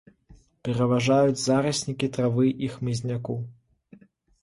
Пераважаюць зараснікі травы і хмызняку.